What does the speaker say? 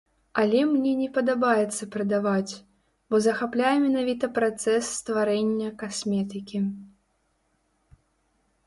Але мне не падабаецца прадаваць, бо захапляе менавіта працэс стварэння касметыкі.